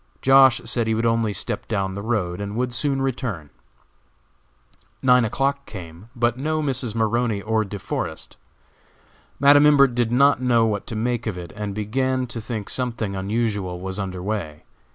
Josh. said he would only step down the road, and would soon return. Nine o'clock came, but no Mrs. Maroney or De Forest. Madam Imbert did not know what to make of it, and began to think something unusual was under way.